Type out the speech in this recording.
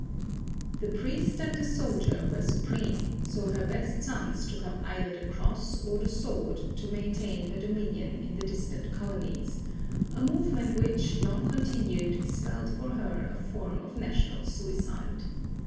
The priest and the soldier were supreme, so her best sons took up either the cross or the sword to maintain her dominion in the distant colonies, a movement which, long continued, spelled for her a form of national suicide.